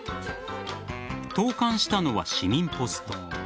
投函したのは市民ポスト。